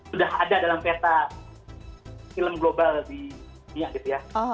sudah ada dalam peta film global di dunia gitu ya